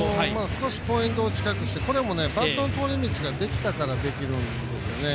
少しポイントを近くしてバットの通り道ができたからできるんですよね。